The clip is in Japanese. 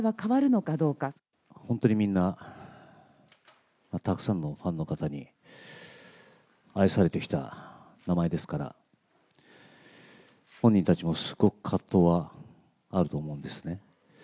本当にみんな、たくさんのファンの方に愛されてきた名前ですから、本人たちもすごく葛藤はあると思うんですね。